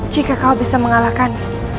jika kau bisa mengalahkan